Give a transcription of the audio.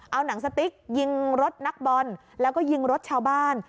เอาหนังสติ๊กยิงรถนักบอลแล้วก็ยิงรถชาวบ้าน